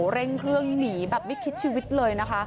เร่งเครื่องหนีแบบไม่คิดชีวิตเลยนะคะ